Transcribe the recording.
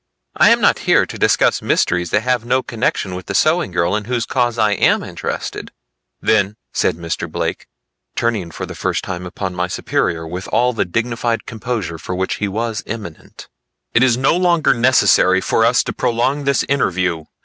"I am not here to discuss mysteries that have no connection with the sewing girl in whose cause I am interested." "Then," said Mr. Blake, turning for the first time upon my superior with all the dignified composure for which he was eminent, "it is no longer necessary for us to prolong this interview.